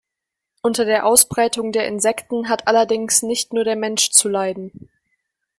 Unter der Ausbreitung der Insekten hat allerdings nicht nur der Mensch zu leiden.